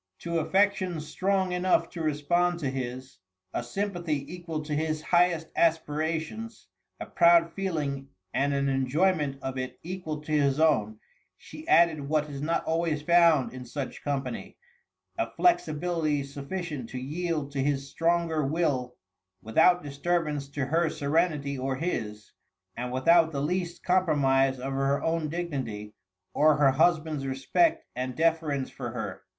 To affections strong enough to respond to his, a sympathy equal to his highest aspirations, a proud feeling and an enjoyment of it equal to his own, she added what is not always found in such company, a flexibility sufficient to yield to his stronger will without disturbance to her serenity or his, and without the least compromise of her own dignity or her husband's respect and deference for her.